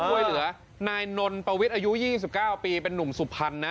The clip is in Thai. ช่วยเหลือนายนนปวิทย์อายุ๒๙ปีเป็นนุ่มสุพรรณนะ